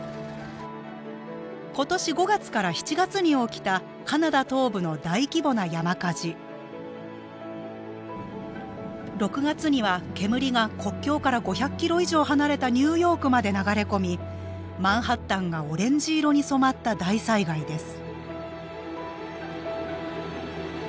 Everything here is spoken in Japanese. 今年５月から７月に起きたカナダ東部の大規模な山火事６月には煙が国境から５００ｋｍ以上離れたニューヨークまで流れ込みマンハッタンがオレンジ色に染まった大災害です